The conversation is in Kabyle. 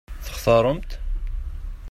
Textaṛem-t?